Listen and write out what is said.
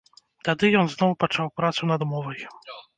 Тады ён зноў пачаў працу над мовай.